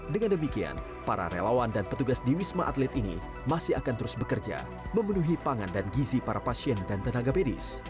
dengan demikian para relawan dan petugas di wisma atlet ini masih akan terus bekerja memenuhi pangan dan gizi para pasien dan tenaga medis